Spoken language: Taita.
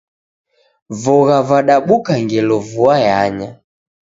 Vogha vadabuka ngelo vua yanya.